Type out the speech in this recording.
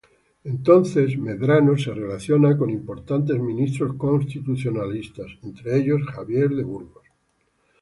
Entonces Medrano se relaciona con importantes ministros constitucionalistas, entre ellos Javier de Burgos.